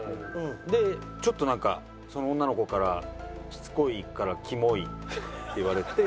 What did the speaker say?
でちょっとなんかその女の子から「しつこいからキモイ」って言われて。